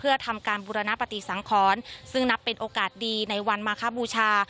เพื่อทำการบุรณปฏิสังขรซึ่งนับเป็นโอกาสดีในวันมาคบูชา